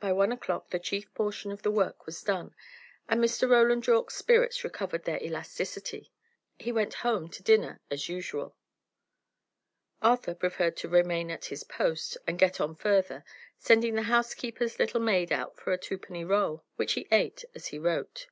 By one o'clock the chief portion of the work was done, and Mr. Roland Yorke's spirits recovered their elasticity. He went home to dinner, as usual. Arthur preferred to remain at his post, and get on further, sending the housekeeper's little maid out for a twopenny roll, which he ate as he wrote.